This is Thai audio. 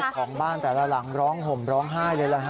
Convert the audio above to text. ของบ้านแต่ละหลังร้องห่มร้องไห้เลยล่ะฮ